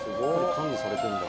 管理されてんだ。